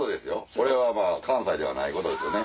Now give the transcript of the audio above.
これは関西ではないことですね